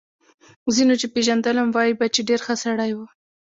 ځینو چې پېژندلم وايي به چې ډېر ښه سړی و